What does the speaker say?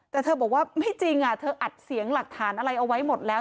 แต่เธอบอกว่าไม่จริงเธออัดเสียงหลักฐานอะไรเอาไว้หมดแล้ว